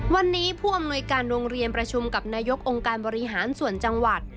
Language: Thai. วันนี้ผู้อำนวยการโรงเรียนประชุมกับนายกองค์การบริหารส่วนจังหวัด